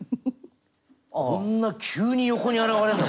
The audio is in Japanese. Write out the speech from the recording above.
こんな急に横に現れんの！